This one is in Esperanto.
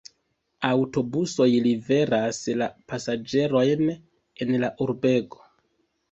Aŭtobusoj liveras la pasaĝerojn en la urbego.